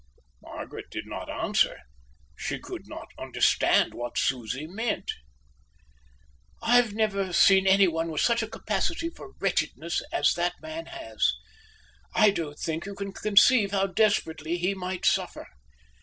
Margaret did not answer; she could not understand what Susie meant. "I've never seen anyone with such a capacity for wretchedness as that man has. I don't think you can conceive how desperately he might suffer.